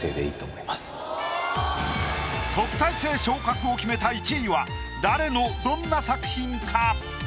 特待生昇格を決めた１位は誰のどんな作品か？